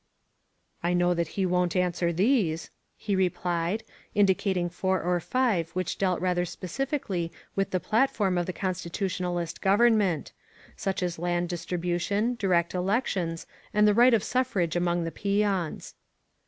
"I know that he won't answer these," he replied, in dicating four or five which dealt rather specifically with the platform of the Constitutionalist government : such as land distribution, direct elections, and the right of suffrage among the peons.